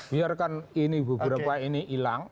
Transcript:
biarkan ini beberapa ini hilang